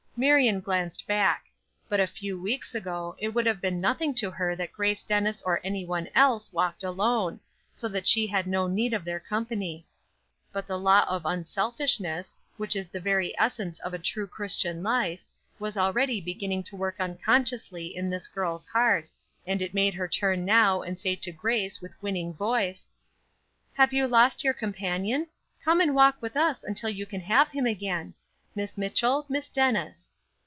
Marion glanced back. But a few weeks ago it would have been nothing to her that Grace Dennis or anyone else walked alone, so that she had no need for their company. But the law of unselfishness, which is the very essence of a true Christian life, was already beginning to work unconsciously in this girl's heart, and it made her turn now and say to Grace, with winning voice: "Have you lost your companion? Come and walk with us until you can have him again. Miss Mitchell, Miss Dennis."